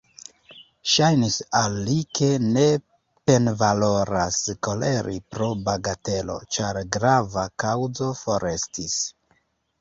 Ŝajnis al li, ke ne penvaloras koleri pro bagatelo, ĉar grava kaŭzo forestis.